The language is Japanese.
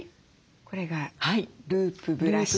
これがループブラシ。